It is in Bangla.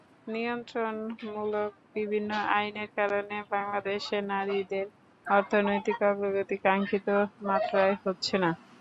নিয়ন্ত্রণমূলক বিভিন্ন আইনের কারণে বাংলাদেশের নারীদের অর্থনৈতিক অগ্রগতি কাঙ্ক্ষিত মাত্রায় হচ্ছে না।